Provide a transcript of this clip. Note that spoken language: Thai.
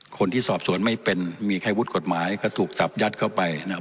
คนที่สอบสวนไม่เป็นมีแค่วุฒิกฎหมายก็ถูกจับยัดเข้าไปนะครับ